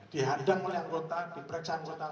di hadang oleh anggota